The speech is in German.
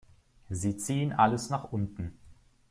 Sie ziehen alles nach unten.